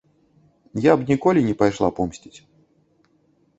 Я б ніколі не пайшла помсціць.